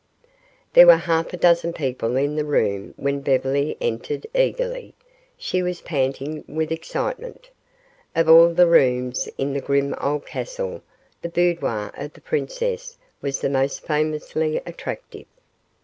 There were half a dozen people in the room when Beverly entered eagerly. She was panting with excitement. Of all the rooms in the grim old castle, the boudoir of the princess was the most famously attractive.